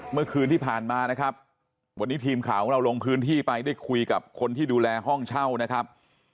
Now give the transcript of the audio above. เมื่อคืนที่ผ่านมานะครับวันนี้ทีมข่าวของเราลงพื้นที่ไปได้คุยกับคนที่ดูแลห้องเช่านะครับ